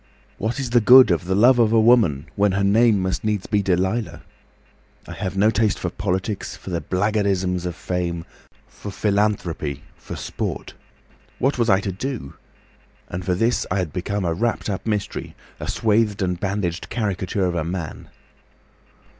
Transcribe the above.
What is the good of the love of woman when her name must needs be Delilah? I have no taste for politics, for the blackguardisms of fame, for philanthropy, for sport. What was I to do? And for this I had become a wrapped up mystery, a swathed and bandaged caricature of a man!"